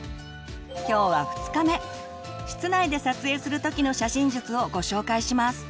今日は２日目室内で撮影する時の写真術をご紹介します。